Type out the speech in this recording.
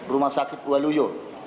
rumah sakit kualuyo